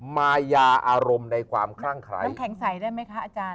มายาอารมณ์ในความคลั่งคลายน้ำแข็งใสได้ไหมคะอาจารย์